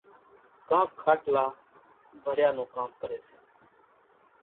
ڪانڪ کاٽلا ڀريا نون ڪام ڪريَ سي۔